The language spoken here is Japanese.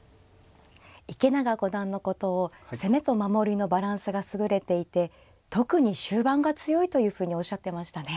池永五段のことを攻めと守りのバランスが優れていて特に終盤が強いというふうにおっしゃってましたね。